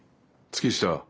月下。